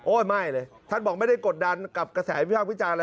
โอ้ยไม่เลยท่านบอกไม่ได้กดดันกับกระแสพิธาพิจารณ์เลย